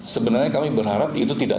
sebenarnya kami berharap itu tidak